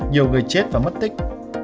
nhiều người chết và mất tích